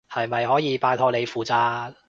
係咪可以拜託你負責？